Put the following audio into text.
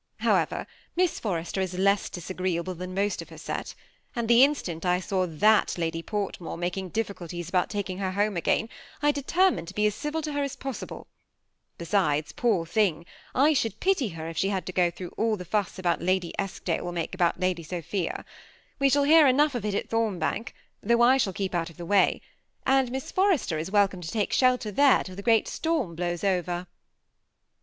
However, Miss Forrester is less disagreeable than most of her set ; and the in stant I saw that Lady Portmore making difficulties about taking her home again, I determined to be as civil to her as possible. Besides, poor thing I I should pity her if she had to go through all the fuss that Lady Eskdale will make about Lady Sophia. We shall hear enough of it at Thombank, though I shall keep out of the way ; and Miss Forrester is welcome to take shelter there till the great storm blows over."